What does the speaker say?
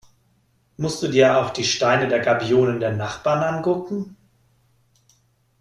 Musst du dir auch die Steine der Gabionen der Nachbarn angucken?